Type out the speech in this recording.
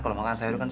kalau makan sayur kan